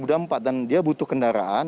dan dia butuh kendaraan